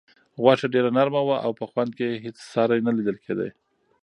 غوښه ډېره نرمه وه او په خوند کې یې هیڅ ساری نه لیدل کېده.